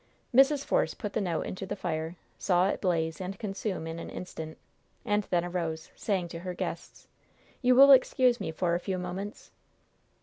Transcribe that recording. Mrs. Force put the note into the fire, saw it blaze and consume in an instant, and then arose, saying to her guests: "You will excuse me for a few moments?"